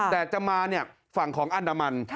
แต่จะมาฝั่งของอันดามัน